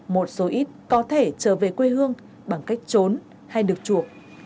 một số ít có thể trở về quê hương bằng cách trốn hay được chuộc